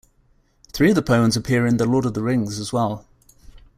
Three of the poems appear in "The Lord of the Rings" as well.